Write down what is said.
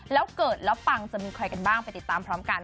แล้วเกิดแล้วปังจะมีใครกันบ้างไปติดตามพร้อมกัน